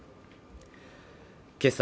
けさ